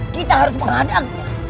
kita harus menghadangnya